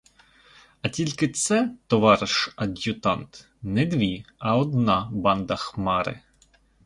А тільки це, товариш ад'ютант, не дві, а одна банда Хмари.